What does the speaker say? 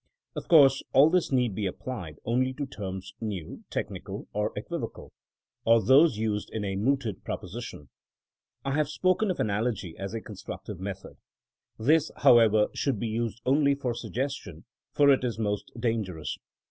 Of course, all this need be applied only to terms new, technical or equivocal ; or those used in a mooted proposi tion. I have spoken of analogy as a constructive method. This, however, should be used only for suggestion, for it is most dangerous.